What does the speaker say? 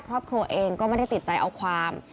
ครอบครัวเองก็ไม่ได้ติดใจเอาความ